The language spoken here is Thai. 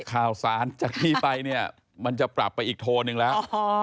ข่าวสารจากนี้ไปเนี่ยมันจะปรับไปอีกโทนหนึ่งแล้ว